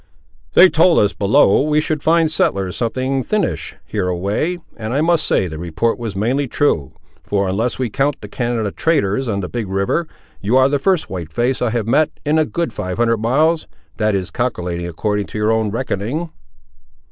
"They told us below, we should find settlers something thinnish, hereaway, and I must say, the report was mainly true; for, unless, we count the Canada traders on the big river, you ar' the first white face I have met, in a good five hundred miles; that is calculating according to your own reckoning."